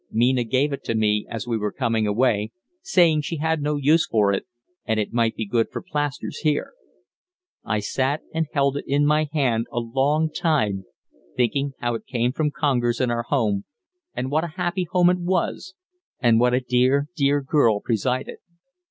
Mina gave it to me as we were coming away, saying she had no use for it and it might be good for plasters here. I sat and held it in my hand a long time thinking how it came from Congers and our home, and what a happy home it was, and what a dear, dear girl presided.